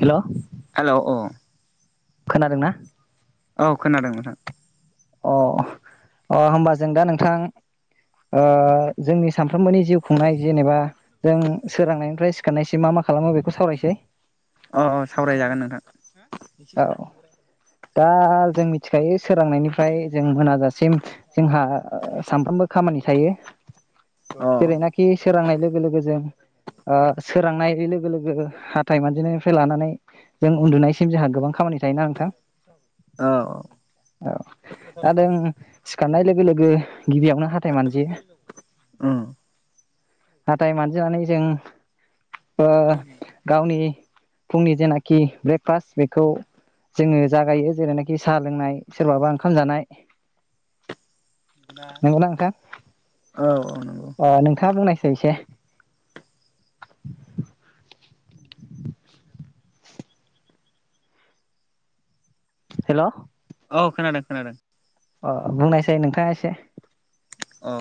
हेल' hello अ खोनादोंना? औ खोनादों नोथां। अ अ होमबा जों दा नोंथां ओ जोंनि सानफ्रोमबोनि जिउ खुंनाय जेनेबा जों सोरांनायनिफ्राय सिखारनायसिम मा मा खालामो बेखौ सावरायसै अ अ सावरायजागोन नोंथां। औ दा जों मिथिखायो सोरांनायनिफ्राय जों मोनाजासिम जोंहा औ सानफ्रोमबो खामानि थायो औ जेरैनाखि सोरांनाय लोगो लोगो जों ओ सोरांनाय लोगो लोगो हाथाय मानजिनायनिफ्राय लानानै जों उन्दुनायसिम जोंहा गोबां खामानि थायोना नोंथां? औ औ दा जों सिखारनाय लोगो लोगो गिबियावनो हाथाय मानजियो उम हाथाय मानजिनानै जों गावनि फुंनि जेनाखि ब्रेकफास्ट बे खौ जोङो जागायो जेरैनाखि साहा लोंनाय सोरबाबा ओंखाम जानाय नंगौना नोंथां औ औ नंगौ अ नोंथाङा बुंनाय [unintelligible] ओम हेल' औ खोनादों खोनादों। अ बुंनायसै नोंथाङा एसे अ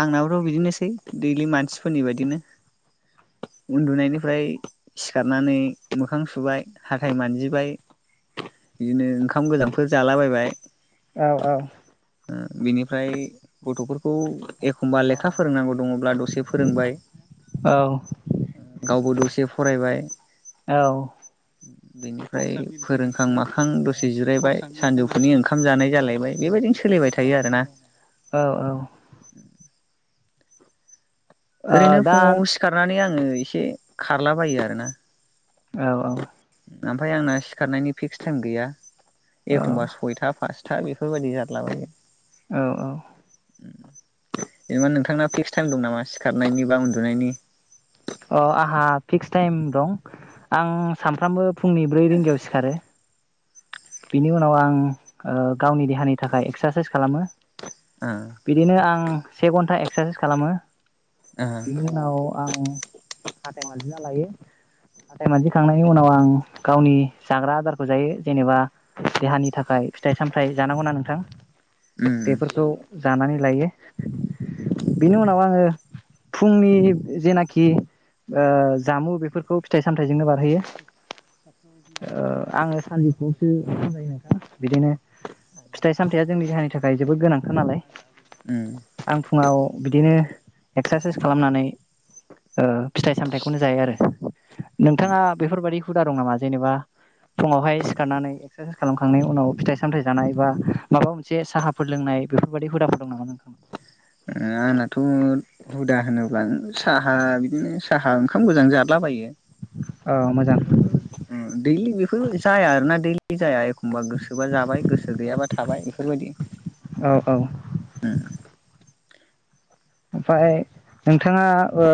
आंनाबोथ' बिदिनोसै दैलि मानसिफोरनि बादिनो उन्दुनायनिफ्राय सिखारनानै मोखां सुबाय हाथाय मानजिबाय बिदिनो ओंखाम गोजांफोर जालाबायबाय। औ औ बिनिफ्राय गथ'फोरखौ एखमबा लेखा फोरोंनांगौ। दङब्ला दसे फोरोंबाय औ गावबो दसे से फरायबाय। औ बेनिफ्राय फोरोंखां माखां दसे जिरायबाय सानजौफुनि ओंखाम जानाय जालायबाय बेबायदिनो सो सोलिबाय थायो आरोना। औ औ ओरैनो ओ दा फुंङाव सिखारनानै आं आङो एसे खारलाबायो आरोना। औ औ ओमफ्राय आंना सिखारनायनि फिक्स टाइम गैया। औ एखमबा सयथा पास बेफोरबायदि जालाबायो। औ औ। जेनेबा नोंथांना फिक्स टाइम दं नामा सिखारनायनि बा उन्दुनायनि। अ आंहा फिक्स टाइम दं आं सानफ्रामबो। फुंनि ब्रै रिंगायाव सिखारो। बिनि उनाव आं ओ गावनि देहानि थाखाय एक्सारसाइस खालामो। ओ बिदिनो आं। से घन्टा एक्सारसाइस खालामो। ओ बिनि उनाव आं हाथाय मानजिना लायो हाथाय मानजिखांनायनि उनाव आं गावनि जाग्रा आदारखौ जायो जेनेबा देहानि थाखाय फिथाइ सामथायाइ जानांगौना नोंथां? उम बेफोरखौ जानानै लायो बेनि उनाव आङो फुंनि जेनाखि ओ जामु बेफोरखौ फिथाइ सामथायाइजोंनो बारहोयो। ओ आङो [inaudible] [unintelligible] नोंथां बिदिनो फिथाइ सामथायाइया जोंनि देहानि थाखाय जोबोद गोनां। नालाय उम आं फुङाव बिदिनो एक्सारसाइस खालामनानै ओ फिथाइ सामथायाइखौनो जायो आरो। नोंथाङा बेफोरबादि हुदा दं नामा जेनेबा फुङावहाय सिखारनानै एक्सारसाइस खालामखांनायनि उनाव फिथाइ सामथाइ जानाय बा माबा मोनसे साहाफोर लोंनाय बेफोरबायादि हुदाफोर दं नामा नोंथांनाव? आंनाथ' हुदा होनोब्ला साहा बिदिनो साहा ओंखाम गोजां जदलाबायो। औ मोजां दैलि बेफोर जाया आरोना दैलि जाया खमबा गोसोबा जाबाय गोसो गैयाबा थाबाय बेफोरबायदि। औ ओमफाय नोंथाङा ओ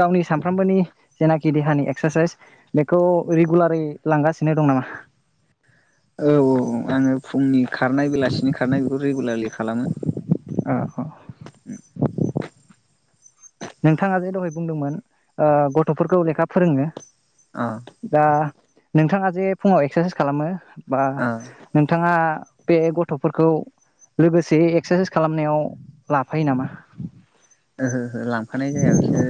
गावनि सामफ्रोमबोनि जेनाखि देहानि एक्सारसाइस बेखौ रेगुलारै लांगासिनो दं नामा? औ औ आङो फुंनि खारनाय बेलासिनि खारनाय बेखौ रेगुलारलि खालामो। अ औ। उम। नोंथाङा जे दहाय बुंदोंमोन ओ गथ'फोरखौ लेखा फोरोंङो। अ दा। नोंथाङा जे फुङाव एक्सारसाइस खालामो। बा अ नोंथाङा। बे गथ'फोरखौ लोगोसे एक्सारसाइस खालामनायाव लाफायो नामा? ओहो ओहो लांफानाय जाया बिसोर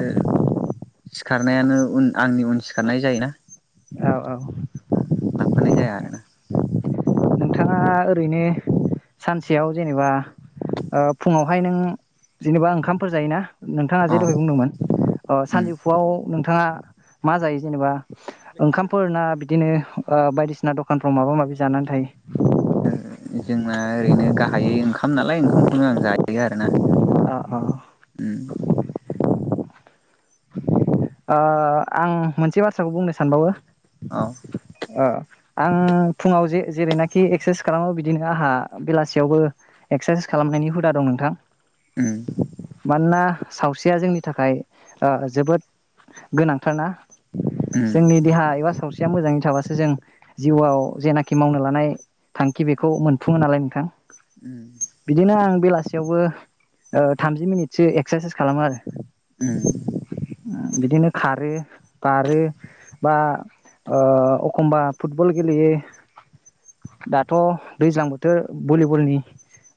सिखारनायानो उन आंनि उन सिखारनाय जायोना। औ औ। लांफानाय जायागा आरो ना। नोंथाङा ओरैनो सानसेयाव जेनेबा ओ फुङावहाय नों जेनेबा ओंखामफोर जायोना नोंथाङा जे अ दहाय बुंदोंमोन ओ उम सानजौफुआव नोंथाङा मा जायो जेनेबा? ओंखामफोर ना बिदिनो ओ‌ बायदिसिना दखानफ्राव माबा माबि जानानै थायो जोंना ओरैनो गाहायै ओंखाम नालाय ओंखामखौनो आं जायो आरोना अ अ ओम ओ आं मोनसे बाथ्राखौ बुंनो सानबावो औ ओ आं फुङाव जे-जेरैनाखि एक्सारसाइस खालामो बिदिनो आंहा बेलासियावबो एक्सारसाइस खालामनायनि हुदा दं नोंथां उम मानोना सावस्रिया जोंनि थाखाय ओ जोबोद गोनांथार ना उम जोंनि देहा एबा सावसि सिया मोजाङै थाबासो जों जिउआव जेनाखि मावनो लानाय थांखि बेखौ मोनफुङो नालाय नोंथां उम बिदिनो आं बेलासियावबो थामजि मिनिटसो एक्सारसाइस खालामो आरो उम बिदिनो खारो बारो बा ओ अखनबा फुटबल गेलेयो दाथ' दैज्लां बोथोर भलिबलनि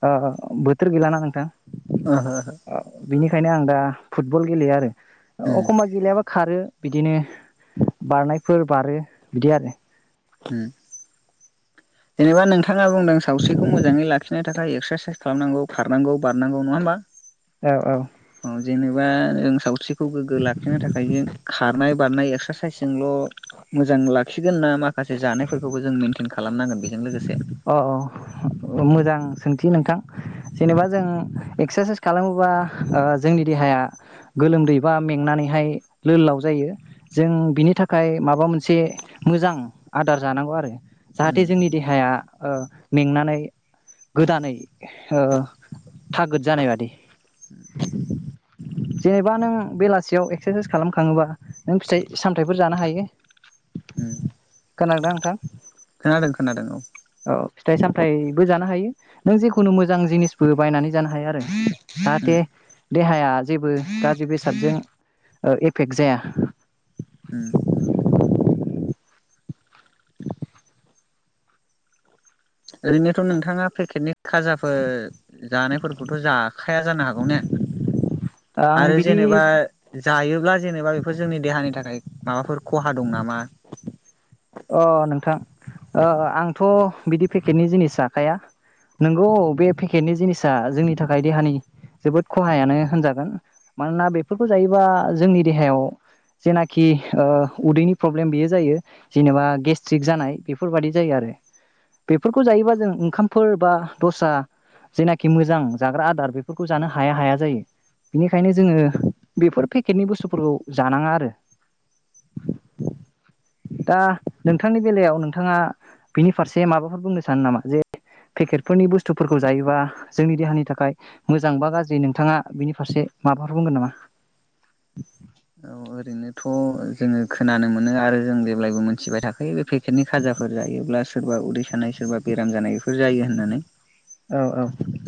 ओ बोथोर गैलाना नोंथां। ओहो ओहो बिनिखायनो आं दा फुटबल गेलेयो आरो उम अखमबा गेलेयाबा खारो बिदिनो बारनायफोर बारो बिदि आरो ओम जेनेबा नोंथाङा बुंदों सावस्रिखौ मोजाङै लाखिनो थाखाय एक्सारसाइस खालामनांगौ खारनांगौ बारनांगौ नङा होमबा औ औ औ जेनेबा जों सावस्रिखौ गोग्गो लाखिनो थाखाय जों खारनाय बारनाय एक्सारसाइसजोंल' मोजां लाखिगोन ना मा माखासे जानायफोरखौ जों मिन्थिनो खालामनांगोन बेजों लोगोसे अ औ मोजां सोंथि नोंथां जेनेबा जों एक्सारसाइस खालामोबा ओ जोंनि देहाया गोलोमदै बा मेंनानैहाय लो लाव जायो जों बिनि थाखाय माबा मोनसे मोजां आदार जानांगौ आरो जाहाथे जोंनि उम देहाया ओ मेंनानै गोदानै ओ थागोद जानाय बादि जेनेबा नों बेलासियाव एक्सारसाइस खालाम खाङोबा नों फिथाइ सामथायाइफोर जानो हायो उम खोनादोंदां नोंथां खोनादों खोनादों औ औ फिथाइ सामथायाइबो जानो हायो नों जेखुनु मोजां जिनिसबो बायनानै जानो हायो आरो उम जाहाथे देहाया जेबो गाज्रि बेसादजों एफेक्ट जाया उम [inaudible] ओरैनोथ' नोंथाङा पेकेटनि खाजाफोर जानायफोरखौथ' जाखाया जानो हागौ ने आं आरो बिदि जेनेबा जायोब्ला जेनेबा बेफोर जोंनि देहानि थाखाय माबाफोर खहा दं नामा? अ नोंथां ओ आंथ' बिदि पेकेटनि जिनिस जाखाया नोंगौ बे पेकेटनि जिनिसा जोंनि थाखाय देहानि जोबोद खहायानो होनजागोन मानोना बेफोरखौ जायोबा जोंनि देहायाव जेनाखि ओ उदैनि प्रब्लेम बेयो जायो जेनेबा गेस्ट्रिक जानाय बेफोरबाददि जायो आरो बेफोरखौ जायोबा जों ओंखामफोर बा दस्रा जेनाखि मोजां जाग्रा आदार बेफोरखौ जानो हाया हाया जायो बेनिखायनो जोङो बेफोर पेकेटनि बुस्थुफोरखौ जानाङा आरो दा नोंथांनि बेलायाव नोंथाङा बिनि फारसे माबाफोर बुंनो सानो नामा? जे पेकेटफोरनि बुस्थुफोरखौ जायोबा जोंनि देहानि थाखाय मोजां बा गाज्रि नोंथाङा बिनि फारसे माबाफोर बुंगोन नामा? अ ओरैनोथ' जोङो खोनानो मोनो आरो जों जेब्लायबो मोनथिबाय थाखायो बे पेकेटनि खाजाफोर जायोब्ला सोरबा उदै सानाय सोरबा बेराम जानाय इफोर जायो होननानै। औ औ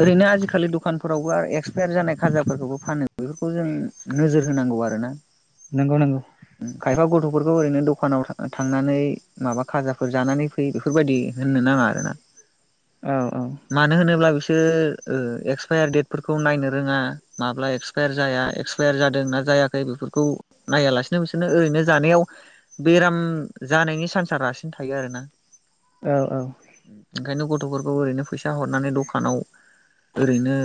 ओरैनो आजिखालि दखानफोरावबो एक्सपायार जानाय खाजाफोरखौबो फानो [unintelligible] खौ जों नोजोर होनांगौ आरोना? नोंगौ नोंगौ ओं खायफा गथ'फोरखौ ओरैनो दखानाव थांनानै माबा खाजाफोर जानानै फै बेफोरबायदि होननो नाङा आरो ना। औ औ मानो होनोब्ला बिसोर बिसोर एक्सपायार देटफोरखौ नायनो रोङा, माब्ला एक्सपायार जाया एक्सपायार जादों ना जायाखै बेफोरखौ नाया लासेनो बिसोरनो बिसोरनो ओरैनो जानायाव बेराम जानायनि चान्सा रासिन थायो आरो ना। औ औ ओंखायनो गथ'फोरखौ ओरैनो फैसा हरनानै दखानाव ओरैनो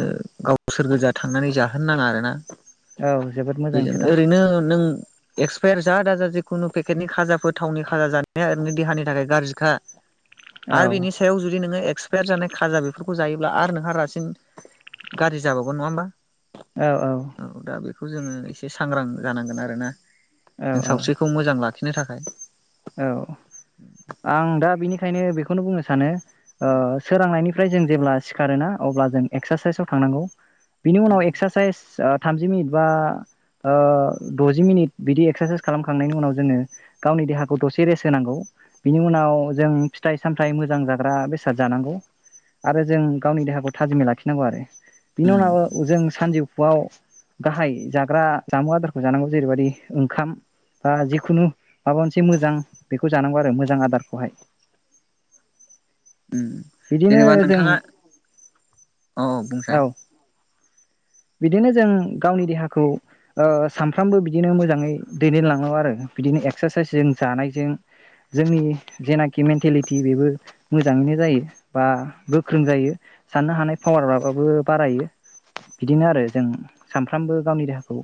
गावसोर गोजा थांनानै जाहोनो नाङा आरोना। औ जोबोद मोजां बेजों खोथा ओरैनो नों एक्सपायार जा दाजा जिखुनु पेकेटनि खाजाफोर थावनि खाजा जानाया ओरैनो देहानि थाखाय गाज्रिखा औ आरो बेनि सायाव जुदि नोङो एक एक्सपायार जानाय खाजा बेफोरखौ जायोब्ला आरो नोंहा रासिन गाज्रि जाबावगोन नङा होमबा? औ औ बेखौ जोङो एसे सांग्रां जानांगोन आरोना। नों औ सावस्रिखौ मोजां लाखि नो थाखाय औ आं दा बिनिखायनो बेखौनो बुंनो सानो ओ सोरांनायनि ओमफ्राय जों जेब्ला सिखारोना अब्ला जों एक्सारसाइसआव थांनांगौ। बिनि उनाव उम एक्सारसाइस ओ थामजि मिनिट बा ओ द'जि मिनिट बिदि एक्सारसाइस खालामखांनायनि उनाव जोङो गावनि देहाखौ दसे रेस्ट होनांगौ। बिनि उनाव जों फिथाइ सामथाइ मोजां जाग्रा बेसाद जानांगौ आरो जों गावनि देहाखौ थाजिमै लाखिनांगौ आरो। बिनि उनाव उम जों सानजौ फुआव गाहाय जाग्रा जामु आदारखौ जानांगौ जेरैबायदि ओंखाम बा जिखुनु माबा मोन से मोजां बेखौ जानांगौ आरो मोजां आदारखौहाय। उम बिदिनो जेनेबा जों नोंथाङा औ औ बुंसाय बिदिनो जों गावनि देहाखौ ओ सानफ्रामबो बिदिनो मोजाङै दैदेनलाङो आरो बिदिनो एक्सारसाइसजों जानायजों जोंनि जेनाखि मेन्टेलिटि बेबो मोजाङैनो जायो बा गोख्रों जायो साननो हानाय पावाराबाबो बारायो। बिदिनो आरो जों सानफ्रामबो गावनि देहाखौ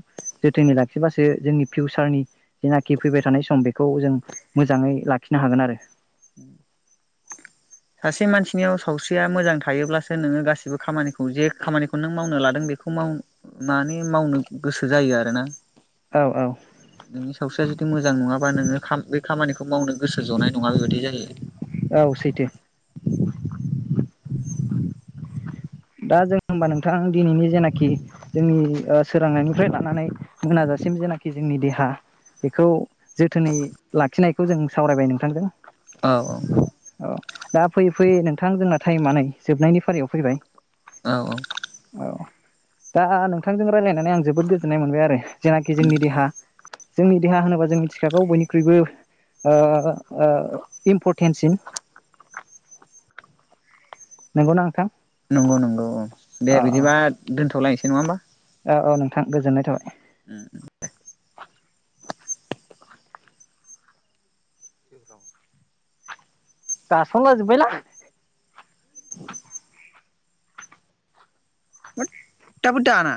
जोथोनै लाखिबासो जोंनि फिउसारनि जेनाखि फैबाय थानाय सम बेखौ जों मोजाङै लाखिनो हागोन आरो। उम सासे मानसिनियाव सावस्रिया मोजां थायोब्लासो नोङो गासिबो खामानिखौ जे खामानिखौ नों मावनो लादों बेखौ मावनानै मावनो गोसो जायो आरोना। औ औ नोंनि सावस्रिया जुदि मोजां नङाबा नोङो खाम खामानिखौ मावनो गोसो ज'नाय नङा बेबायदि जायो। औ सैथो दा जों हमबा नोंथां दिनैनि जेनाखि जोंनि ओ सोरांनायनिफ्राय लानानै मोनाजासिम जेनाखि जोंनि देहा बेखौ जोथोनै लाखिनायखौ जों सावरायबाय नोंथांजों, औ औ औ दा फैयै फैयै नोंथां जोंना टाइमा नै जोबनायनि फारियाव फैबाय, औ औ औ दा नोंथांजों रायज्लायनानै आं जोबोद गोजोननाय मोनबाय आरो जेनाखि जोंनि देहा जोंनि देहा होनोबा जों मिथिखागौ बयनिख्रुइबो ओ ओ इम्परटेन्टसिन, नंगौना नोंथां? नंगौ नंगौ औ दे अ बिदिबा दोनथ'लायनोसै नङा होमबा? औ औ नोंथां गोजोननाय थाबाय। उम दे [unintelligible] गासनला जोब्बायला दाबो दाना